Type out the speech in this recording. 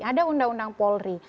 ada undang undang polri